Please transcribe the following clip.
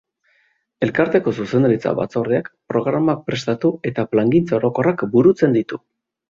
Elkarteko zuzendaritza-batzordeak programak prestatu eta plangintza orokorrak burutzen ditu.